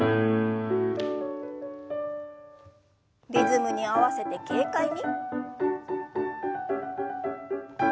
リズムに合わせて軽快に。